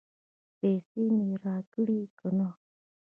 پیسې مې راکړې که نه؟